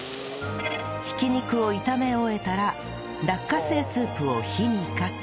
挽き肉を炒め終えたら落花生スープを火にかけ